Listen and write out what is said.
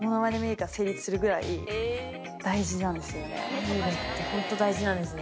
眉毛ってホント大事なんですね。